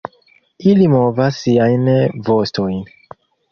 Ili movas siajn vostojn.